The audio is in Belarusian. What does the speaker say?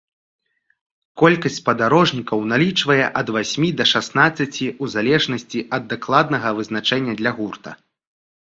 Колькасць спадарожнікаў налічвае ад васьмі да шаснаццаці, у залежнасці ад дакладнага вызначэння для гурта.